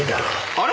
あれ？